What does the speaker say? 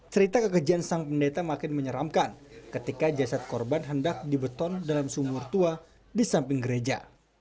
cerita kekejian sang pendeta makin menyeramkan ketika jasad korban hendak dibeton dalam sumur tua di samping gereja